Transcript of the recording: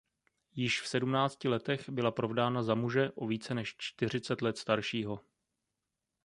Již v sedmnácti letech byla provdána za muže o více než čtyřicet let staršího.